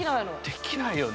できないよね。